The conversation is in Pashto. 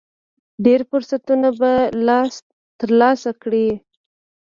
ډېر فرصتونه به ترلاسه کړئ .